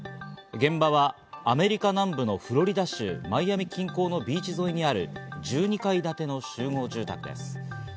現場はアメリカ南部のフロリダ州マイアミ近郊のビーチ沿いにある１２階建ての集合住宅です。